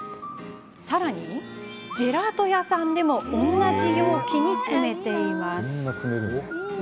さらに、ジェラート屋さんでも同じ容器に詰めています。